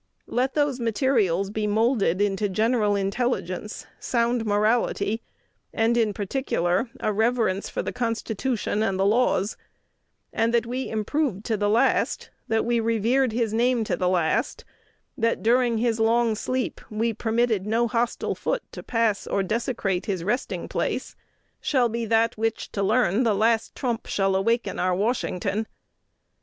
Let those materials be moulded into general intelligence, sound morality, and, in particular, a reverence for the Constitution and the laws; and that we improved to the last, that we revered his name to the last, that during his long sleep we permitted no hostile foot to pass or desecrate his resting place, shall be that which to learn the last trump shall awaken our Washington.